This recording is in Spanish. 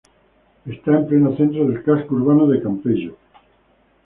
Está en pleno centro del casco urbano de Campello.